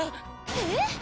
えっ！？